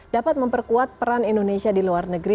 dapat memperkuat peran indonesia di luar negeri